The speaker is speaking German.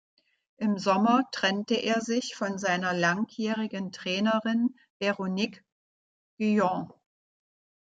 Im Sommer trennte er sich von seiner langjährigen Trainerin Veronique Guyon.